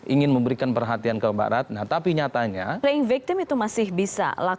ingin memberikan perhatian ke mbak ratna tapi nyatanya ranin victim itu masih bisa